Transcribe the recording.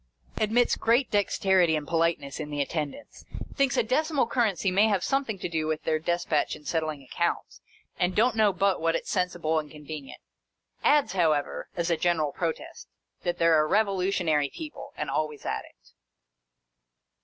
Admits great dexterity and politeness in the attendants. Thinks a decimal currency may have something to do with their despatch in settling accounts, and don't know but what it 's sensible and convenient. Adds, however, as a general protest, that they 're a revolutionary people — and always at it.